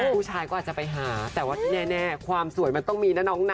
ผู้ชายก็อาจจะไปหาแต่ว่าแน่ความสวยมันต้องมีนะน้องนะ